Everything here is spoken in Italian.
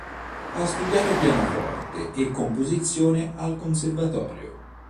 Ha studiato pianoforte e composizione al conservatorio.